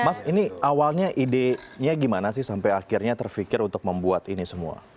mas ini awalnya idenya gimana sih sampai akhirnya terfikir untuk membuat ini semua